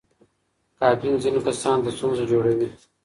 کافین ځینو کسانو ته ستونزه جوړوي.